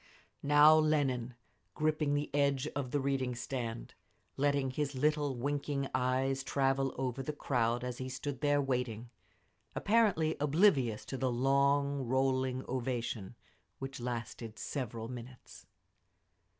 Now Lenin, gripping the edge of the reading stand, letting his little winking eyes travel over the crowd as he stood there waiting, apparently oblivious to the long rolling ovation, which lasted several minutes.